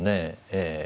ええ。